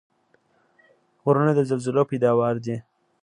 غرونه د زلزلو پیداوار دي.